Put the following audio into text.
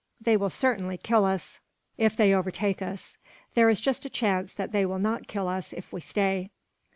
They will certainly kill us, if they overtake us; there is just a chance that they will not kill us, if we stay."